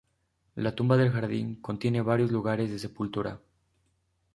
La Tumba del Jardín contiene varios lugares de sepultura.